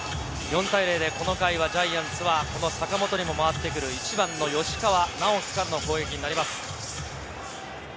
４対０でこの回はジャイアンツは坂本にも回ってくる１番・吉川尚輝からの攻撃になります。